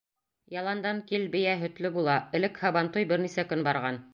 Яландан кил — бейә һөтлө була, Элек һабантуй бер нисә көн барған.